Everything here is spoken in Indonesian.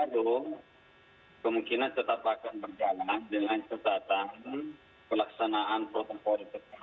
jadi kemungkinan tetap akan berjalan dengan kesatuan pelaksanaan protokol tersebut